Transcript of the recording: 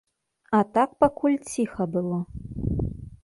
А так пакуль ціха было.